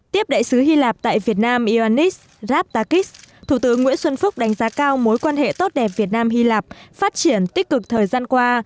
tiếp đại sứ hy lạp tại việt nam yonis raftakis thủ tướng nguyễn xuân phúc đánh giá cao mối quan hệ tốt đẹp việt nam hy lạp phát triển tích cực thời gian qua